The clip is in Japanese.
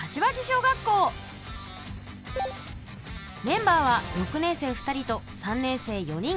メンバーは６年生２人と３年生４人。